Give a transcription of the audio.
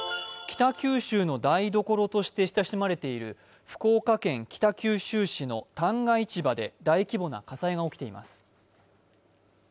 北九州の台所として親しまれている福岡県北九州市の旦過市場で大規模な火災が起きています。